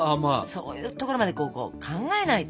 そういうところまでこう考えないと。